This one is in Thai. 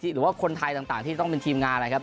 หรือว่าคนไทยต่างที่ต้องเป็นทีมงานนะครับ